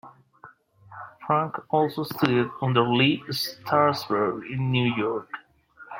Frank also studied under Lee Strasberg in New York.